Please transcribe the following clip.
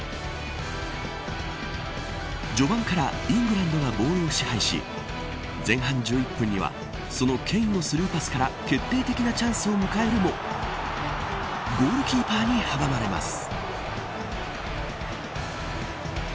序盤からイングランドがボールを支配し前半１１分にはそのケインのスルーパスから決定的なチャンスを迎えるもゴールキーパーに阻まれます。